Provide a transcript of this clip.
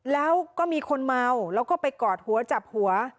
แล้วก็มีคนเมาแล้วก็ไปกอดหัวจับหัว